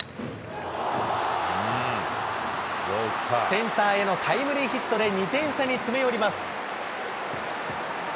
センターへのタイムリーヒットで２点差に詰め寄ります。